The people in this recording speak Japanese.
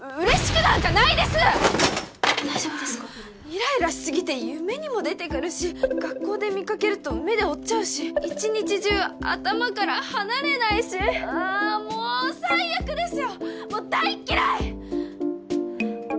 イライラしすぎて夢にも出てくるし学校で見かけると目で追っちゃうし一日中頭から離れないしああーもう最悪ですよ大っ嫌い！